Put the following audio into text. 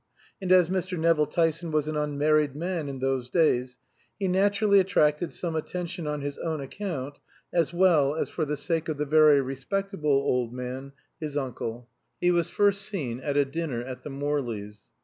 And as Mr. Nevill Tyson was an unmarried man in those days he naturally attracted some attention on his own account, as well as for the sake of the very respectable old man, his uncle. He was first seen at a dinner at the Morleys.